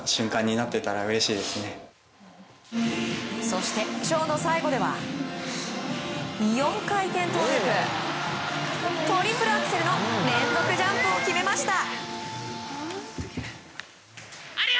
そしてショーの最後では４回転トウループトリプルアクセルの連続ジャンプを決めました。